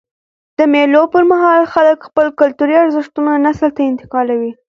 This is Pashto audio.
د مېلو پر مهال خلک خپل کلتوري ارزښتونه نسل ته انتقالوي.